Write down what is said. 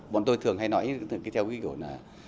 bọn tôi thường hay nói như theo ghi kiểu là